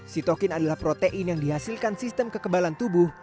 sitokin adalah protein yang dihasilkan sistem kekebalan tubuh